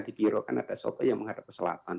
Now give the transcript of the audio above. di biro kan ada soto yang menghadap ke selatan